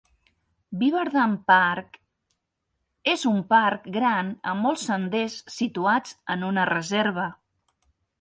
Beaverdam Park és un parc gran amb molts senders situat en una reserva.